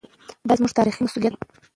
دا زموږ تاریخي مسوولیت دی.